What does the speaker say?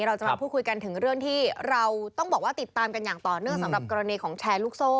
เราจะมาพูดคุยกันถึงเรื่องที่เราต้องบอกว่าติดตามกันอย่างต่อเนื่องสำหรับกรณีของแชร์ลูกโซ่